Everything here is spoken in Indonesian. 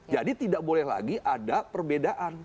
tidak boleh lagi ada perbedaan